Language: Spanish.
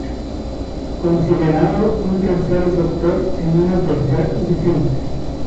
Considerando un tercer receptor en una tercera posición.